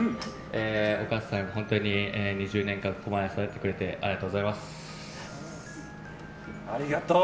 お母さん、本当に２０年間ここまで育ててくれてありがとうございます。